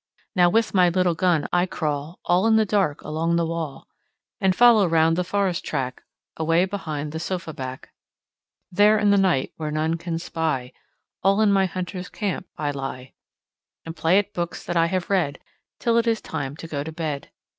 Now, with my little gun, I crawl All in the dark along the wall, And follow round the forest track Away behind the sofa back. There, in the night, where none can spy, All in my hunter's camp I lie, And play at books that I have read Till it is time to go to bed.